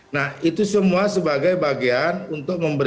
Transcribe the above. nah itu semua sebagai bagian untuk membeli